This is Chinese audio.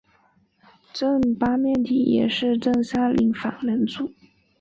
正八面体也是正三角反棱柱。